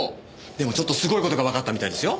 でもちょっとすごい事がわかったみたいですよ。